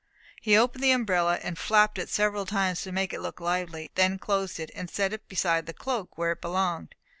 He opened the umbrella, and flapped it several times to make it look lively, then closed it, and set it beside the cloak where it belonged.